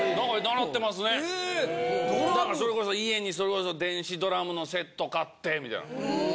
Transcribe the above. それこそ家にそれこそ電子ドラムのセット買ってみたいな。